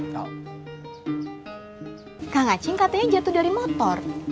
kaka nga ching katanya jatuh dari motor